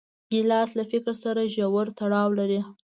ګیلاس له فکر سره ژور تړاو لري.